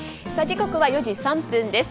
時刻は４時３分です。